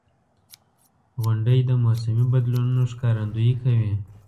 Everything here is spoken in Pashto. • غونډۍ د موسمي بدلونونو ښکارندویي کوي.